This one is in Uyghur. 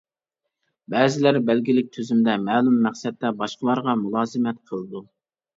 بەزىلەر بەلگىلىك تۈزۈمدە مەلۇم مەقسەتتە باشقىلارغا مۇلازىمەت قىلىدۇ.